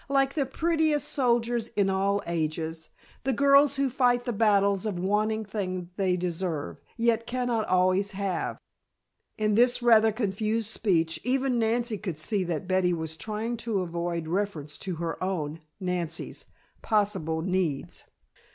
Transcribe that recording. "Like the prettiest soldiers in all ages the girls who fight the battles of wanting things they deserve, yet cannot always have." In this rather confused speech, even Nancy could see that Betty was trying to avoid reference to her own (Nancy's) possible needs.